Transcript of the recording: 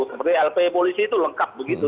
seperti lp polisi itu lengkap begitu